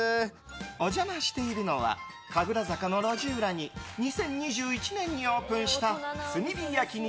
お邪魔しているのは神楽坂の路地裏に２０２１年にオープンした炭火焼肉